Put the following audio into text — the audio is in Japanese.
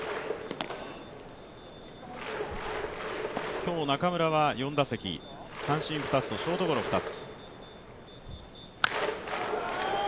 今日、中村は４打席、三振２つとショートゴロ２つ。